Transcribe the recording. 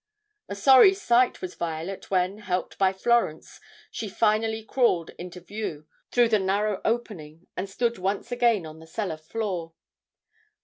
A sorry sight was Violet, when, helped by Florence, she finally crawled into view through the narrow opening and stood once again on the cellar floor.